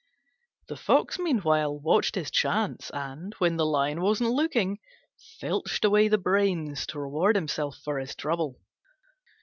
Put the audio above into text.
The Fox, meanwhile, watched his chance and, when the Lion wasn't looking, filched away the brains to reward him for his trouble.